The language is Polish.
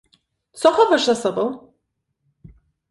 "co chowasz za sobą?"